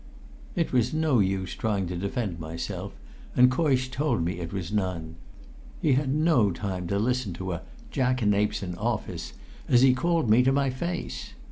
It was no use trying to defend myself, and Coysh told me it was none. He had no time to listen to a "jackanapes in office," as he called me to my face.